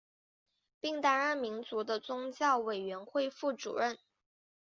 并担任民族和宗教委员会副主任。